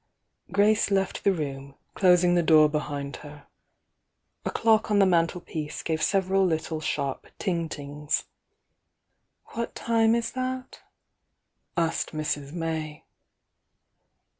Grace left the room, closing the door behind her. A clock on the mantelpiece gave several little sharp ting tings. "What time is that?" asked Mrs. May.